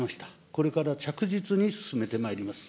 これから着実に進めてまいります。